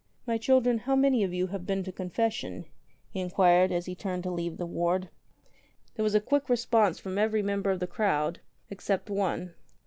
"My children, how many of you have been to con fession ?" he inquired as he turned to leave the ward. There was a quick response from every member of the crowd — except one.